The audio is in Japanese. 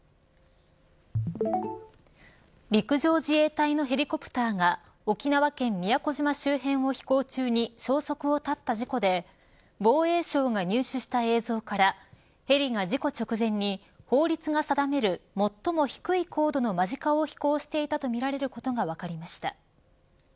陸上自衛隊のヘリコプターが沖縄県宮古島周辺を飛行中に消息を絶った事故で防衛省が入手した映像からヘリが事故直前に法律が定める最も低い高度の間近を飛行していたとみられることが分かりました。